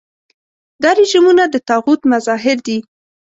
دا رژیمونه د طاغوت مظاهر دي.